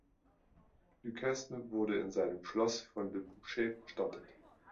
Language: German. Duquesne wurde in seinem Schloss von Le Bouchet bestattet.